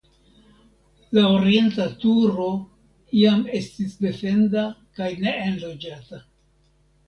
La orienta turo iam estis defenda kaj neenloĝata.